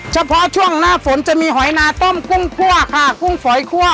เฉพาะช่วงหน้าฝนจะมีหอยนาต้มกุ้งคั่วค่ะกุ้งฝอยคั่ว